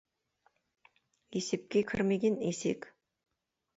Есепке кірмеген есек.